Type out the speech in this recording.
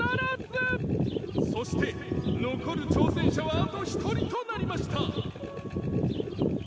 「そして残る挑戦者はあと１人となりました」